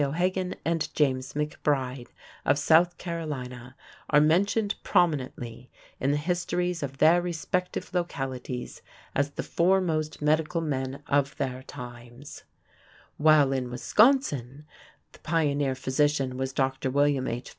O'Hagan, and James McBride of South Carolina are mentioned prominently in the histories of their respective localities as the foremost medical men of their times, while in Wisconsin the pioneer physician was Dr. William H.